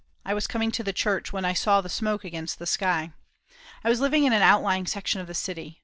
I was coming to the church, when I saw the smoke against the sky. I was living in an outlying section of the city.